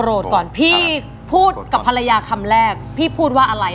ก่อนพี่พูดกับภรรยาคำแรกพี่พูดว่าอะไร